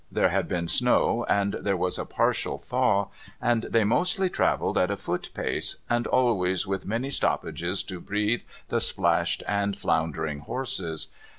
There had been snow, and there was a partial thaw, and they mostly travelled at a foot pace, and always with many stoppages to breathe the splashed and floundering horses.